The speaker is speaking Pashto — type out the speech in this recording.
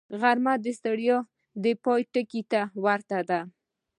غرمه د ستړیا د پای ټکي ته ورته ده